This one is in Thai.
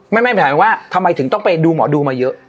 ไม่หมายถึงว่าทำไมถึงต้องไปดูหมอดูมาเยอะ